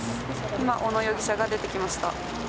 今、小野容疑者が出てきました。